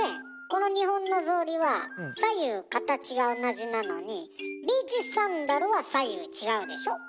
この日本の草履は左右形が同じなのにビーチサンダルは左右違うでしょ？